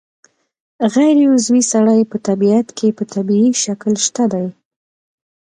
غیر عضوي سرې په طبیعت کې په طبیعي شکل شته دي.